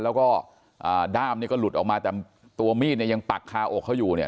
แล้วก็อ่าด้ามเนี่ยก็หลุดออกมาแต่ตัวมีดเนี่ยยังปักคาอกเขาอยู่เนี่ย